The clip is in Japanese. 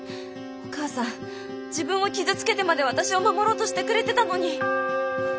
お母さん自分を傷つけてまで私を守ろうとしてくれてたのに。